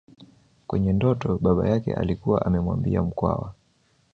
Kwenye ndoto baba yake alikuwa amemwambia Mkwawa